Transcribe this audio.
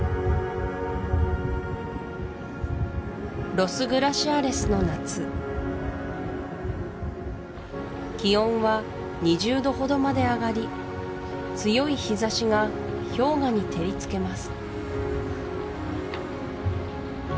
ロス・グラシアレスの夏気温は２０度ほどまで上がり強い日ざしが氷河に照りつけます